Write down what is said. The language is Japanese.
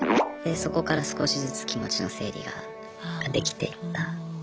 そこから少しずつ気持ちの整理ができていった。